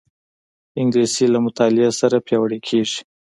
انګلیسي له مطالعې سره پیاوړې کېږي